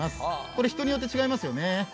これ人によって違いますよね。